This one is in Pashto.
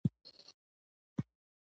دا د خبیثه کړۍ یو روڼ مثال ګڼل کېږي.